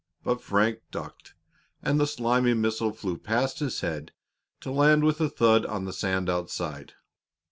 But Frank ducked, and the slimy missile flew past his head to land with a thud on the sand outside.